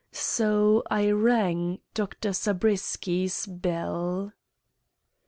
So I rang Dr. Zabriskie's bell.